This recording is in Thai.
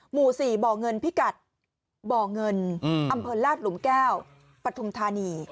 หมู่๔บ่อเงินพิกัดบ่อเงินอำเภอลาดหลุมแก้วปฐุมธานี